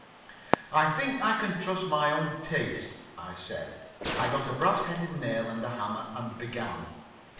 "I think I can trust my own taste," I said. I got a brass headed nail and a hammer, and began.